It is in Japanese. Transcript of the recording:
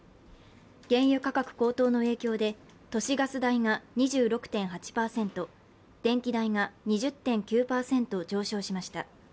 原油価格高騰の影響で都市ガス代が２６．８％、電気代が２０．９％上昇しました。